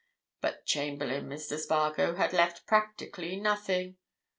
But Chamberlayne, Mr. Spargo, had left practically nothing.